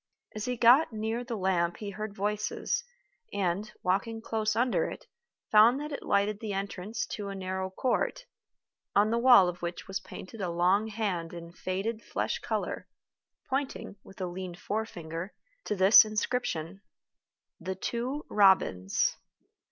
As he got near the lamp he heard voices, and, walking close under it, found that it lighted the entrance to a narrow court, on the wall of which was painted a long hand in faded flesh color, pointing, with a lean forefinger, to this inscription: THE TWO ROBINS.